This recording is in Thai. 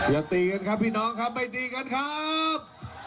อย่าตีกันครับพี่น้องครับไม่ตีกันครับ